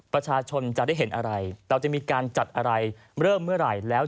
ประชาชนจะได้เห็นอะไรเราจะมีการจัดอะไรเริ่มเมื่อไหร่แล้ว